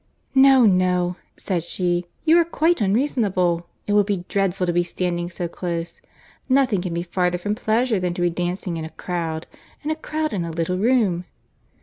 "No, no," said she, "you are quite unreasonable. It would be dreadful to be standing so close! Nothing can be farther from pleasure than to be dancing in a crowd—and a crowd in a little room!"